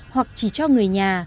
hoặc chỉ cho người nhà